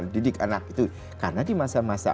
didik anak itu karena di masa masa